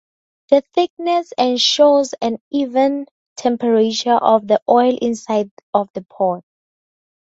The thickness ensures an even temperature of the oil inside of the pot.